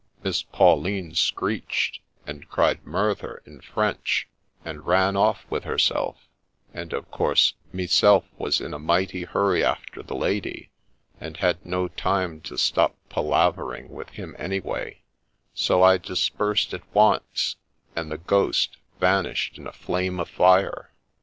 Miss Pauline screeched, and cried murther in French, and ran off with herself ; and of course meself was in a mighty hurry after the lady, and had no time to stop palavering with him any way : so I dispersed at once, and the ghost vanished in a flame of fire